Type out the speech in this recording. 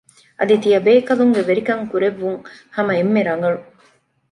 އަދި ތިޔަބޭކަލުންގެ ވެރިކަން ކުރެއްވުން ހަމަ އެންމެ ރަނގަޅު